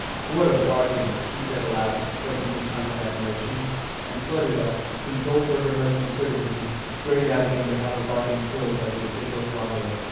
"What a bargain!" he said aloud, clucking his tongue with admiration. And Flutter Duck, consoled for her husband's criticism, scurried out again to have her bargain killed by the official slaughterer.